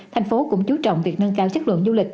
thành phố cũng chú trọng việc nâng cao chất lượng du lịch